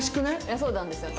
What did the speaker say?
そうなんですよね。